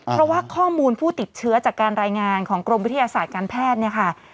เพราะว่าข้อมูลผู้ติดเชื้อจากการรายงานของกรมวิทยาศาสตร์การแพทย์เนี่ยค่ะ